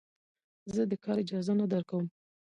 زه دې کار اجازه نه درکوم.